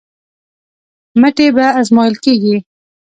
مټې به ازمویل کېږي.